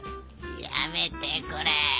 やめてくれ。